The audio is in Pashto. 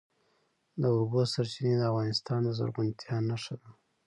د اوبو سرچینې د افغانستان د زرغونتیا نښه ده.